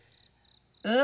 え？